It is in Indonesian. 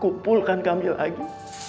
kumpulkan kami lagi